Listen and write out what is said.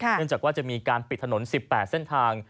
เนื่องจากว่าจะมีการปิดถนน๑๘เส้นทาง